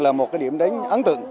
là một cái điểm đến ấn tượng